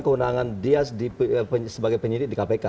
keundangan dia sebagai penyelidik di kpk